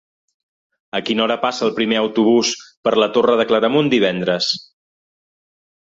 A quina hora passa el primer autobús per la Torre de Claramunt divendres?